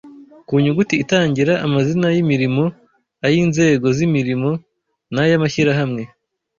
Ku nyuguti itangira amazina y’imirimo ay’inzego z’imirimo n’ay’amashyirahamwe